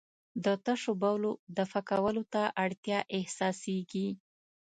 د تشو بولو دفع کولو ته اړتیا احساسېږي.